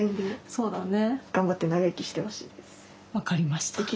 そうだね。